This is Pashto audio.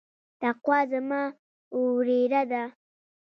تقوا زما وريره ده.